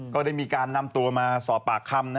ก็ได้มีการนำตัวมาสอบปากคำ